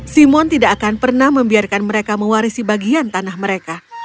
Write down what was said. simon tidak akan pernah membiarkan mereka mewarisi bagian tanah mereka